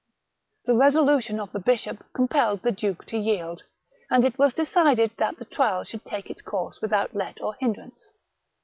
The resolution of the bishop compelled the duke to yield, and it was decided that the trial should take its course without let or hindrance.